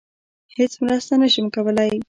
هیڅ مرسته نشم کولی.